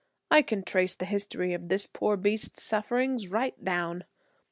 I can trace the history of this poor beast's sufferings right down.